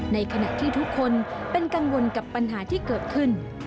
ในขณะที่ทุกคนเป็นกังวลกับปัญหาที่เกิดขึ้น